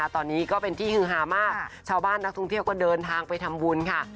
ตอนนี้ก็เป็นที่ฮือฮามากชาวบ้านนักท่องเที่ยวก็เดินทางไปทำบุญค่ะ